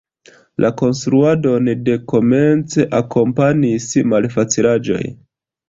La konstruadon de komence akompanis malfacilaĵoj.